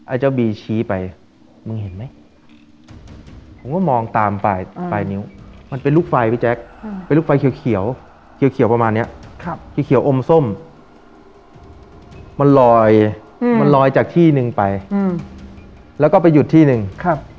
เจ้าบีชี้ไปมึงเห็นไหมผมก็มองตามไปปลายนิ้วมันเป็นลูกไฟพี่แจ๊คเป็นลูกไฟเขียวเขียวประมาณเนี้ยครับสีเขียวอมส้มมันลอยมันลอยจากที่หนึ่งไปอืมแล้วก็ไปหยุดที่หนึ่งครับ